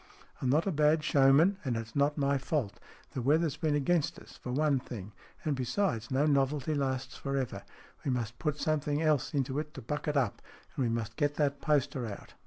"I'm not a bad showman, and it's not my fault. The weather's been against us, for one thing. And, besides, no novelty lasts for ever. We must put something else into it to buck it up, and we must get that poster out."